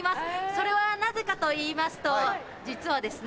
それはなぜかと言いますと実はですね。